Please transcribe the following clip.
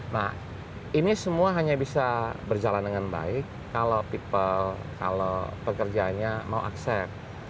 nah ini semua hanya bisa berjalan dengan baik kalau people kalau pekerjaannya mau accept